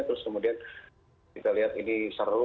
terus kemudian kita lihat ini seru